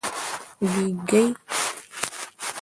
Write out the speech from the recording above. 🦔 ږېږګۍ